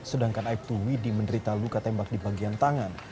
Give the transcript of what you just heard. sedangkan aibtu widi menderita luka tembak di bagian tangan